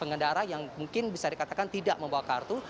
pengendara yang mungkin bisa dikatakan tidak membawa kartu